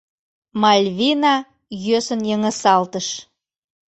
Мальвина йӧсын йыҥысалтыш.